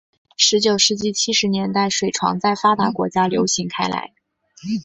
十九世纪七十年代水床在发达国家流行开来。